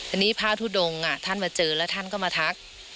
อันนี้พระทุดงท่านมาเจอแล้วท่านก็มาทัก